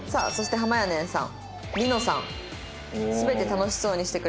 「はまやねんさん」